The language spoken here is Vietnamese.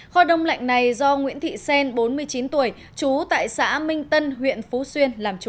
kho đông lạnh này do nguyễn thị xen bốn mươi chín tuổi trú tại xã minh tân huyện phú xuyên làm chủ